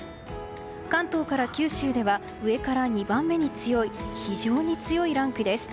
関東から九州では上から２番目に強い非常に強いランクです。